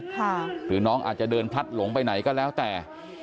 หรือน้องอาจจะเดินพลัดหลงไปไหนก็แล้วแต่